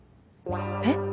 えっ？